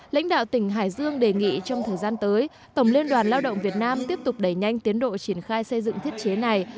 lãnh đạo tỉnh hải dương đề nghị trong thời gian tới tổng liên đoàn lao động việt nam tiếp tục đẩy nhanh tiến độ triển khai xây dựng thiết chế này